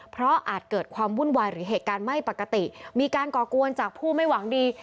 เพราะอาจเกิดความวุ่นวายหรือเหตุการณ์ไม่ปกติมีการก่อกวนจากผู้ไม่หวังดี